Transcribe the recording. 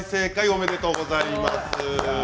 おめでとうございます。